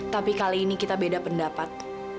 tapi kali ini kita beda pendapat